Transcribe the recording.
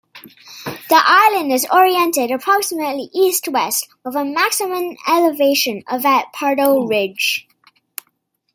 The island is oriented approximately east-west, with a maximum elevation of at Pardo Ridge.